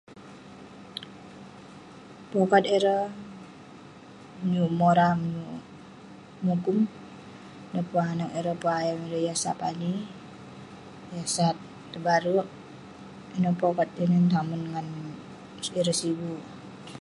Pokat ireh, menyuk memorah menyuk mukum dan pun anag ireh pun ayam ireh yah sat pani. Yah sat tebare. Ineh pokat tinen tamen ngan ireh sigu.